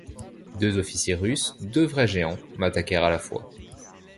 Deux officiers russes, deux vrais géants, m’attaquèrent à la fois.